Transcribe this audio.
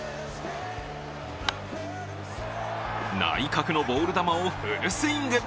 内角のボール球をフルスイング。